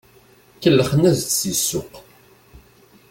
Kellxen-as-d si ssuq.